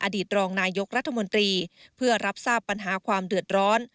อดีตรองนายกรัฐมนตรีเพื่อรับทราบปัญหาความเดือดร้อน